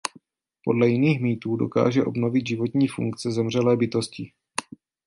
Podle jiných mýtů dokáže obnovit životní funkce zemřelé bytosti.